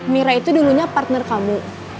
mira itu dulunya partner kamu